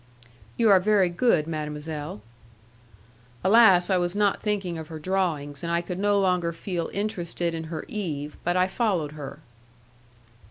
"You are very good, mademoiselle." Alas! I was not thinking of her drawings, and I could no longer feel interested in her Eve, but I followed her.